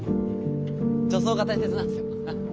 助走が大切なんですよ。